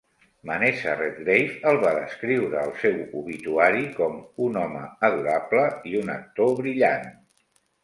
Vanessa Redgrave el va descriure al seu obituari com "un home adorable" i un "actor brillant".